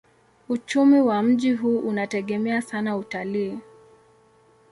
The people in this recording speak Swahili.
Uchumi wa mji huu unategemea sana utalii.